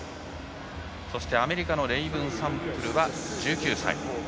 そしてアメリカのレイブン・サンプルは１９歳。